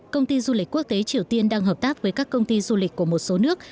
công ty du lịch quốc tế triều tiên đang hợp tác với các công ty du lịch của một số nước